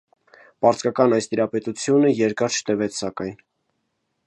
Պարսկական այս տիրապետութիւնը երկար չտեւեց սակայն։